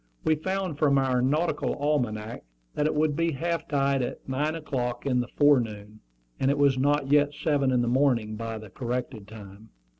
We found from our nautical almanac that it would be half tide at nine o'clock in the forenoon; and it was not yet seven in the morning by the corrected time.